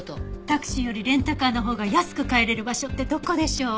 タクシーよりレンタカーのほうが安く帰れる場所ってどこでしょう？